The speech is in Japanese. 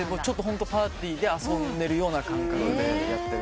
ホントパーティーで遊んでるような感覚でやってる。